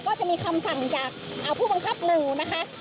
ก็จะมีคำสั่งจากผู้บังคับหนึ่งนะคะ